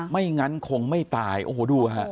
ไม่งั้นคงไม่ตายโอ้โหดูฮะ